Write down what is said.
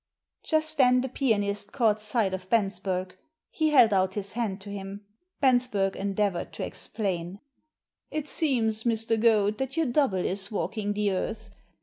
Just then the pianist caught sight of Bensberg. He held out his hand to him. Bensberg endeavoured to explain. " It seems, Mr. Goad, that your double is walking the earth.